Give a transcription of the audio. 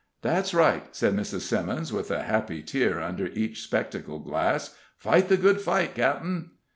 "That's right," said Mrs. Simmons, with a happy tear under each spectacle glass. "Fight the good fight, cap'en."